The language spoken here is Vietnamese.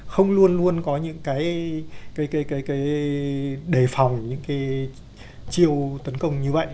không luôn luôn có những cái đề phòng những cái chiêu tấn công như vậy